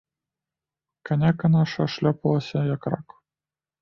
Каняка наша шлёпалася, як рак.